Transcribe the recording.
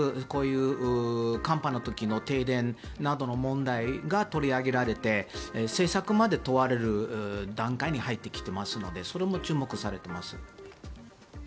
こういう寒波の時の停電などの問題が取り上げられて政策まで問われる段階に入ってきていますのでそれも注目されています。